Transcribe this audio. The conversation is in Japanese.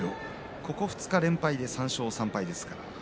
ここ２日、連敗で３勝３敗です。